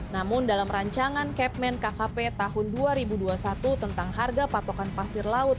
namun dalam rancangan kepmen kkp tahun dua ribu dua puluh satu tentang harga patokan pasir laut